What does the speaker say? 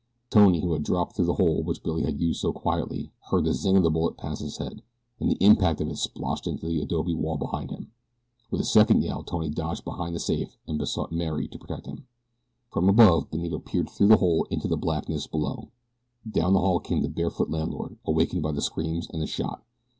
Tony, who had dropped through the hole which Billy had used so quietly, heard the zing of a bullet pass his head, and the impact as it sploshed into the adobe wall behind him. With a second yell Tony dodged behind the safe and besought Mary to protect him. From above Benito peered through the hole into the blackness below. Down the hall came the barefoot landlord, awakened by the screams and the shot.